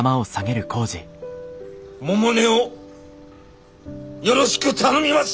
百音をよろしく頼みます。